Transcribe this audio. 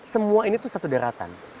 semua ini tuh satu daerah kan